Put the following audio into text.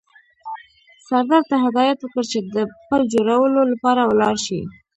سردار ته هدایت وکړ چې د پل جوړولو لپاره ولاړ شي.